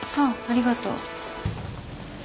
ありがとう。